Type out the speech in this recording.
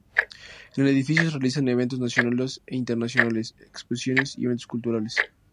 En el edificio se realizan eventos nacionales e internacionales, exposiciones y eventos culturales.